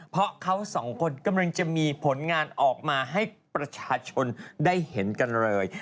เพราะเขาสองคนกำลังจะมีผลงานออกมาให้ประชาชนได้เห็นกันเลย